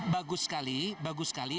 bagus sekali bagus sekali